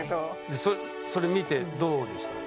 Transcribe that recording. でそれ見てどうでした？